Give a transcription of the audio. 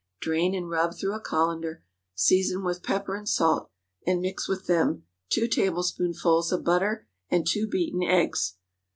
Drain and rub through a cullender; season with pepper and salt, and mix with them two tablespoonfuls of butter and two beaten eggs.